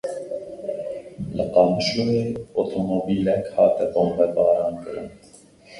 Li Qamişloyê otomobîlek hate bombebarankirin.